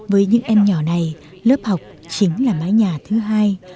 với những em nhỏ này lớp học chính là mái nhà thứ hai